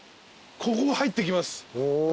ここを入っていきます。